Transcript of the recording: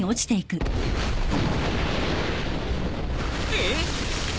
えっ！？